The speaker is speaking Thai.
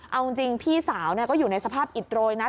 เอาจริงพี่สาวก็อยู่ในสภาพอิดโรยนะ